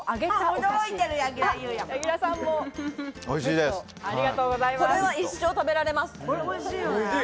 これは一生食べられます。